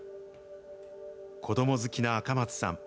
子ども好きな赤松さん。